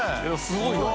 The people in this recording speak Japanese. すごいな。